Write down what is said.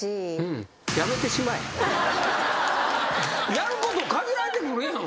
やること限られてくるやん。